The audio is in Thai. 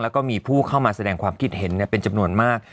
แล้วก็มีผู้เข้ามาแสดงความคิดเห็นเป็นจำนวนมาก